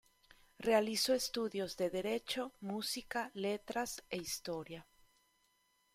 Realizó estudios de derecho, música, letras e historia.